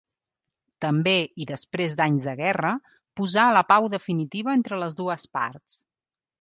També i després d'anys de guerra posà la pau definitiva entre les dues parts.